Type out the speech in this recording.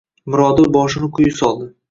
Mirodil boshini quyi soldi